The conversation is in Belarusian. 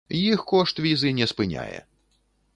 Іх кошт візы не спыняе!